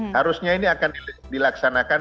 harusnya ini akan dilaksanakan